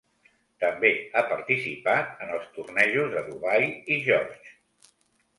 També ha participat en els tornejos de Dubai i George.